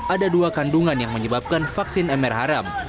ada dua kandungan yang menyebabkan vaksin mr haram